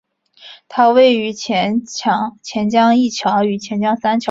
它位于钱江一桥与钱江三桥之间。